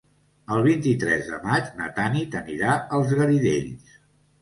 El vint-i-tres de maig na Tanit anirà als Garidells.